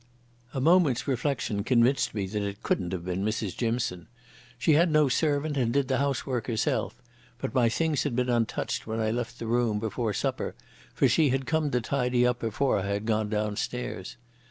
A moment's reflection convinced me that it couldn't have been Mrs Jimson. She had no servant and did the housework herself, but my things had been untouched when I left the room before supper, for she had come to tidy up before I had gone downstairs.